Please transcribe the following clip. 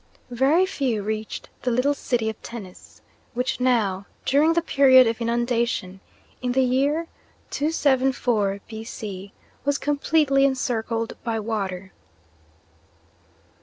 Very few reached the little city of Tennis, which now, during the period of inundation in the year 274 B.C., was completely encircled by water.